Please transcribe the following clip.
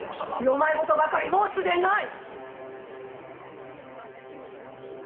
世まい言ばかり申すでない！